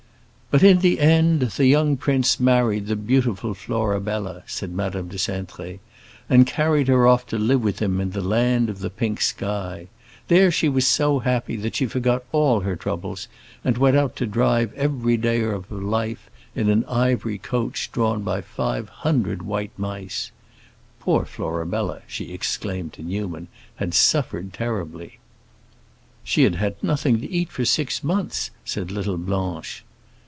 "But in the end the young prince married the beautiful Florabella," said Madame de Cintré, "and carried her off to live with him in the Land of the Pink Sky. There she was so happy that she forgot all her troubles, and went out to drive every day of her life in an ivory coach drawn by five hundred white mice. Poor Florabella," she exclaimed to Newman, "had suffered terribly." "She had had nothing to eat for six months," said little Blanche.